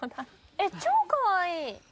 え超かわいい！